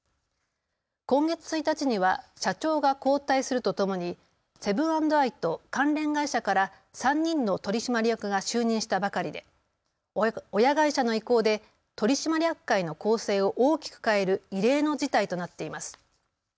今月１日には社長が交代するとともにセブン＆アイと関連会社から３人の取締役が就任したばかりで親会社の意向で取締役会の構成を大きく変える異例の事態となっています。